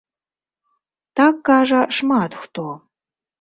Так кажа шмат хто.